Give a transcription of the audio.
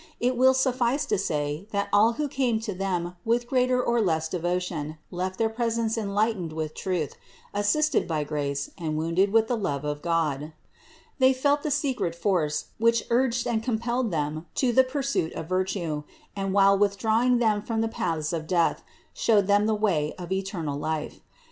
It will suffice to say that all who came to Them with greater or less devotion, left their presence enlightened with truth, assisted by grace and wounded with the love of God. They felt a secret force, which urged and com pelled them to the pursuit of virtue and, while withdraw ing them from the paths of death, showed them the way of eternal life.